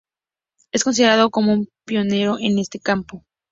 Es considerado como un pionero en este campo.